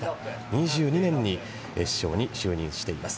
２２年に首相に就任しています。